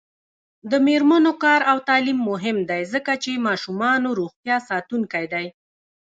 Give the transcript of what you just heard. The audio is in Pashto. د میرمنو کار او تعلیم مهم دی ځکه چې ماشومانو روغتیا ساتونکی دی.